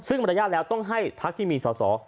ซึ่งมารยาทแล้วต้องให้พักที่มีสอสอ